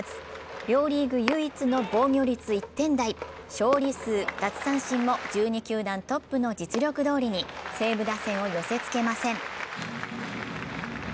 両リーグ唯一防御率１点台、勝利数・奪三振も１２球団トップの実力どおりに西武打線を寄せつけません。